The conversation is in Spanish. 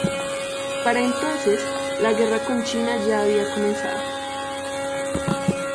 Para entonces, la guerra con China ya había comenzado.